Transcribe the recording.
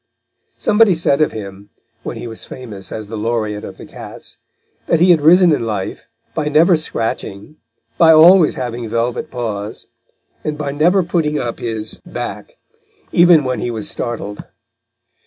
Somebody said of him, when he was famous as the laureate of the cats, that he had risen in life by never scratching, by always having velvet paws, and by never putting up his back, even when he was startled.